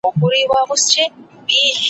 زما په عقیده د شعر پیغام `